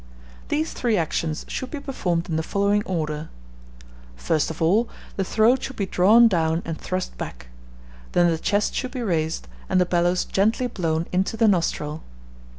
These three actions should be performed in the following order: First of all, the throat should be drawn down and thrust back; then the chest should be raised, and the bellows gently blown into the nostril.